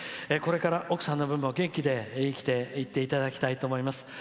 これから奥さんの分も元気で生きていっていただきたいと思います。